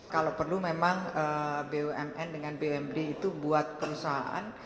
kalau perlu memang bumn dengan bumd itu buat perusahaan